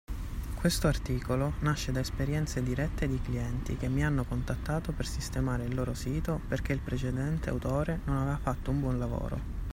Questo articolo nasce da esperienze dirette di clienti che mi hanno contattato per sistemare il loro sito perché il precedente autore non aveva fatto un buon lavoro.